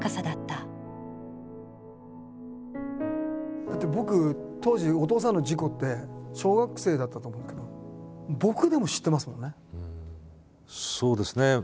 だって僕当時お父さんの事故って小学生だったと思うけど僕でも知ってますもんね。